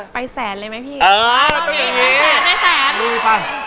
ไปแสนเลยไหมพี่